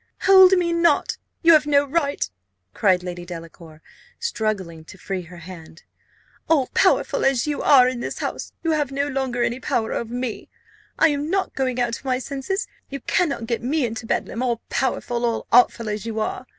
"Hold me not you have no right," cried Lady Delacour, struggling to free her hand. "All powerful as you are in this house, you have no longer any power over me! I am not going out of my senses! You cannot get me into Bedlam, all powerful, all artful as you are.